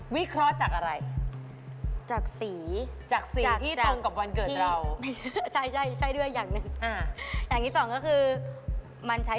วิเคราะห์จากอะไร